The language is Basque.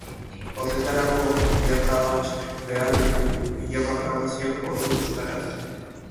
Horretarako, milaka ahots behar ditugu, milaka grabazio ordu euskaraz.